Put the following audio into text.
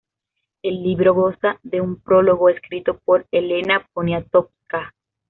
El libro goza de un prólogo escrito por Elena Poniatowska.